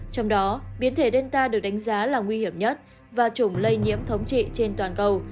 trong đó biến thể delta được đánh giá là nguy hiểm nhất và chủng lây nhiễm thống trị trên toàn cầu